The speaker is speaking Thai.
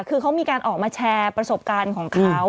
คือเขามีการออกมาแชร์ประสบการณ์ของเขา